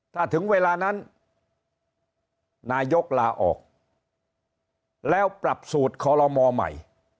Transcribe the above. ถ้าถึงเวลานั้นนายกลาออกแล้วปรับสูตรคอลโลมอใหม่